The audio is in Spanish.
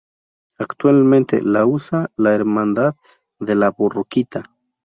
Actualmente la usa la Hermandad de la Borriquita.